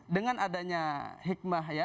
dengan adanya hikmah ya